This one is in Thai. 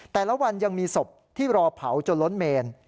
แต่ละวันยังมีศพที่รอเผาจนล้นเมน